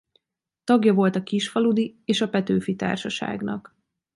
Tagja volt a Kisfaludy és a Petőfi Társaságnak.